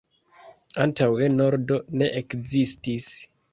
Antaŭe nordo ne ekzistis.